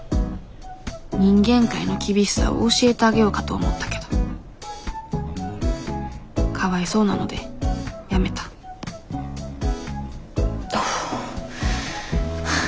人間界の厳しさを教えてあげようかと思ったけどかわいそうなのでやめたふぅ。